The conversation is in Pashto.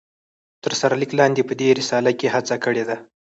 تر سر ليک لاندي په دي رساله کې هڅه کړي ده